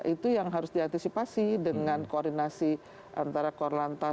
itu yang harus diantisipasi dengan koordinasi antara korlantas